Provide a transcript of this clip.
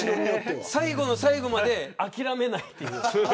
最後の最後まで諦めないという。